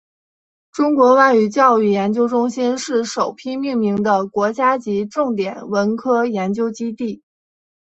中国外语教育研究中心是首批命名的国家级重点文科研究基地。